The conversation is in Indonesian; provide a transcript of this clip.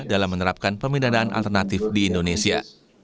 dalam menerapkan pemindanaan alternatif di indonesia